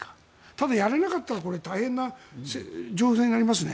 ただ、やれなかったらこれは大変な情勢になりますね。